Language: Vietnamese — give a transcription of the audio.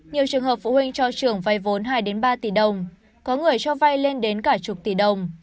nhiều trường hợp phụ huynh cho trường vay vốn hai ba tỷ đồng có người cho vay lên đến cả chục tỷ đồng